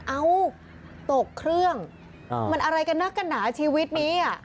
เอ้าตกเครื่องมันอะไรกันนักกันหนาชีวิตนี้อ่ะ